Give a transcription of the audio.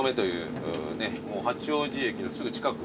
八王子駅のすぐ近く。